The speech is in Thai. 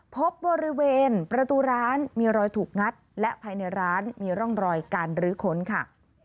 พบบริเวณประตูร้านมีรอยถูกงัดและภายในร้านมีร่องรอยการรื้อค้นค่ะ